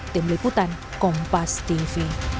tim liputan kompas tv